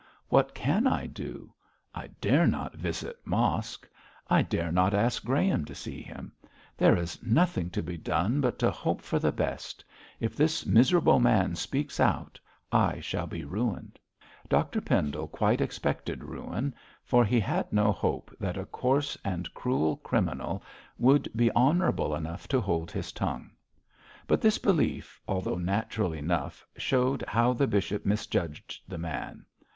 What can I do? I dare not visit Mosk. I dare not ask Graham to see him. There is nothing to be done but to hope for the best. If this miserable man speaks out, I shall be ruined.' Dr Pendle quite expected ruin, for he had no hope that a coarse and cruel criminal would be honourable enough to hold his tongue. But this belief, although natural enough, showed how the bishop misjudged the man.